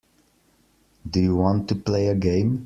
Do you want to play a game.